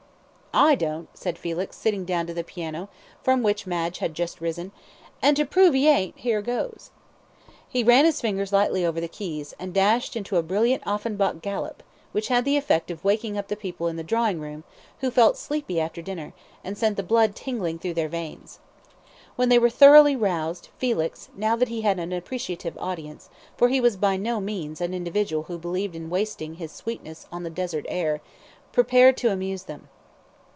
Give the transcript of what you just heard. "I don't," said Felix, sitting down to the piano, from which Madge had just risen, "and to prove he ain't, here goes." He ran his fingers lightly over the keys, and dashed into a brilliant Offenbach galop, which had the effect of waking up the people in the drawing room, who felt sleepy after dinner, and sent the blood tingling through their veins. When they were thoroughly roused, Felix, now that he had an appreciative audience, for he was by no means an individual who believed in wasting his sweetness on the desert air, prepared to amuse them.